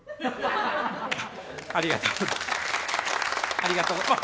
ありがとうございます。